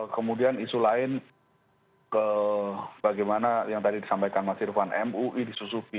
kemudian isu lain ke bagaimana yang tadi disampaikan mas sirvan mui di susupi